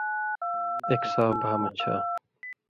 ایک صاف بھاں مہ چھا۔